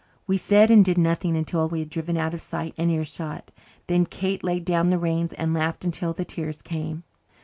We said and did nothing until we had driven out of sight and earshot. Then Kate laid down the reins and laughed until the tears came.